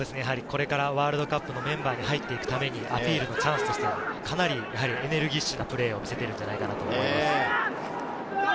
ワールドカップのメンバーに入っていくためにアピールチャンスとしてかなりエネルギッシュなプレーを見せていると思います。